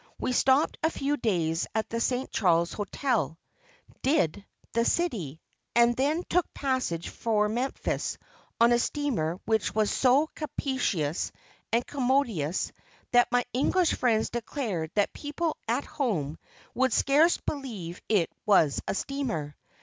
We stopped a few days at the St. Charles Hotel; "did" the city; and then took passage for Memphis on a steamer which was so capacious and commodious that my English friends declared that people at "home" would scarce believe it was a steamer.